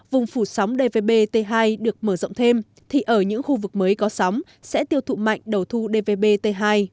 vùng phủ sóng dvb t hai được mở rộng thêm thì ở những khu vực mới có sóng sẽ tiêu thụ mạnh đầu thu dvb t hai